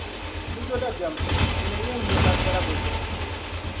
Di zo dabiεm, nyini n-yɛn nya nasara bɛ zuɣu.